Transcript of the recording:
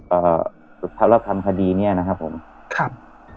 เอ่อพระระรับคลำคดีเนี้ยนะครับผมครับ